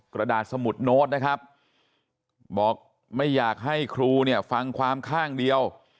กระดาษสมุดโน้ตนะครับบอกไม่อยากให้ครูเนี่ยฟังความข้างเดียว